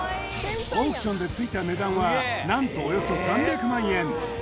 オークションでついた値段は何とおよそ３００万円